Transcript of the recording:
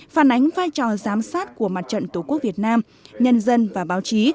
phản ánh vai trò giám sát của mặt trận tổ quốc việt nam nhân dân và báo chí